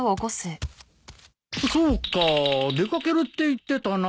そうか出掛けるって言ってたな。